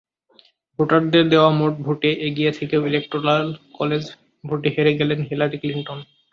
ভোটারদের দেওয়া মোট ভোটে এগিয়ে থেকেও ইলেকটোরাল কলেজ ভোটে হেরে গেলেন হিলারি ক্লিনটন।